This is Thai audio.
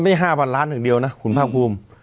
มี๕บาทล้านหนึ่งเดียวนะคุณภาพคลุม